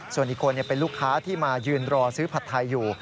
ส่วนอีกคนเป็นลูกค้าที่มายืนรอซื้อผัดไทยอยู่